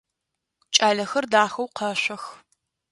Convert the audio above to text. Кӏалэхэр дахэу къэшъох.